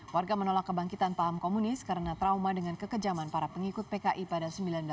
warga menolak kebangkitan paham komunis karena trauma dengan kekejaman para pengikut pki pada seribu sembilan ratus sembilan puluh